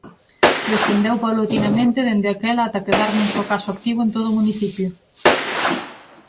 Descendeu paulatinamente dende aquela ata quedar nun só caso activo en todo o municipio.